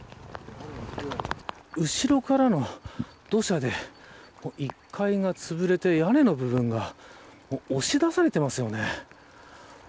後ろからの土砂で１階がつぶれて屋根の部分が押し出されていますよね。